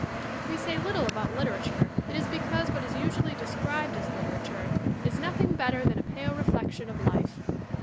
If we say little about "literature" it is because what is usually described as literature is nothing better than a pale reflection of life.